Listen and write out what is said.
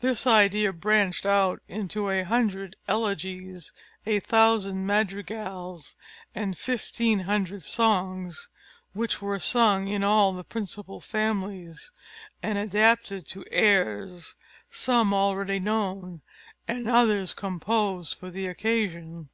This idea branched out into a hundred elegies, a thousand madrigals, and fifteen hundred songs, which were sung in all the principal families, and adapted to airs, some already known, and others composed for the occasion.